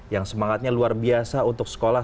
yang semangatnya luar biasa untuk sekolah